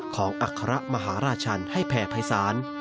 อัครมหาราชันให้แผ่ภัยศาล